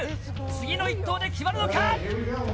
次の一投で決まるのか？